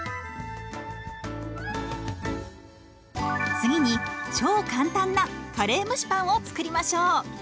次に超簡単なカレー蒸しパンを作りましょう。